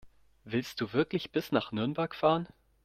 Willst du wirklich bis nach Nürnberg fahren?